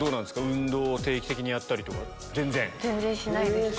運動を定期的にやったりとか。